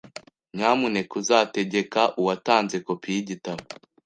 Nyamuneka uzategeka uwatanze kopi yigitabo?